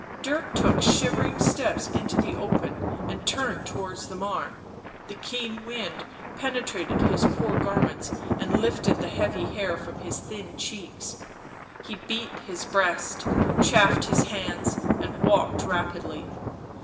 Dirk took shivering steps into the open and turned towards the Marne ; the keen wind penetrated his poor garments and lifted the heavy hair from his thin cheeks ; he beat his breast, chafed his hands and walked rapidly.